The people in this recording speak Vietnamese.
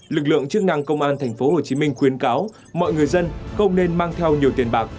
lực lượng chức năng công an tp hcm khuyến cáo mọi người dân không nên mang theo nhiều tiền bạc